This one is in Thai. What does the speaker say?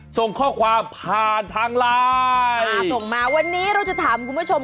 ส่งข้อความผ่านทางไลน์อ่าส่งมาวันนี้เราจะถามคุณผู้ชม